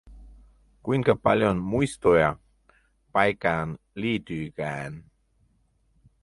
Kuinka paljon muistoja paikkaan liittyikään!